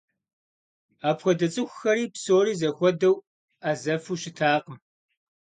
Апхуэдэ цӏыхухэри псори зэхуэдэу ӏэзэфу щытакъым.